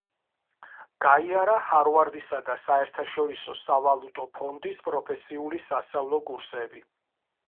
გაიარა ჰარვარდისა და საერთაშორისო სავალუტო ფონდის პროფესიული სასწავლო კურსები.